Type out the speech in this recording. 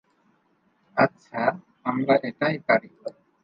আচ্ছা, আমরা এটাই পারি।